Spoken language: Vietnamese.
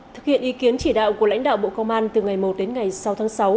thực hiện ý kiến chỉ đạo của lãnh đạo bộ công an từ ngày một đến ngày sáu tháng sáu